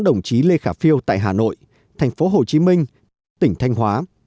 đồng chí lê khả phiêu tại hà nội thành phố hồ chí minh tỉnh thanh hóa